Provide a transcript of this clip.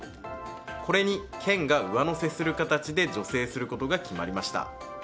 これに県が上乗せする形で助成することが決まりました。